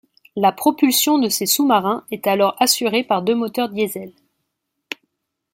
La propulsion de ces sous-marins est alors assurée par deux moteurs Diesel.